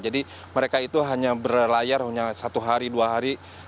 jadi mereka itu hanya berlayar hanya satu hari dua hari